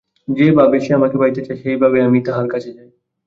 যে যে-ভাবে আমাকে পাইতে চায়, সেই ভাবেই আমি তাহার কাছে যাই।